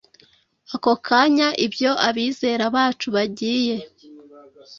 ako kanya ibyo abizera bacu bagiye